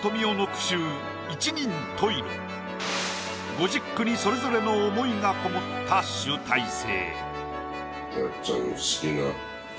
５０句にそれぞれの思いがこもった集大成。